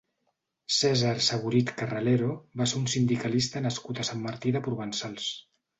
Cèsar Saborit Carralero va ser un sindicalista nascut a Sant Martí de Provençals.